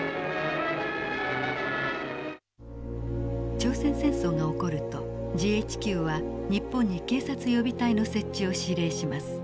朝鮮戦争が起こるとＧＨＱは日本に警察予備隊の設置を指令します。